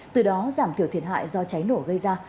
từ đó giảm thiểu thiệt hại do cháy nổ gây ra